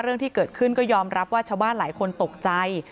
เรื่องที่เกิดขึ้นก็ยอมรับว่าชาวบ้านหลายคนตกใจ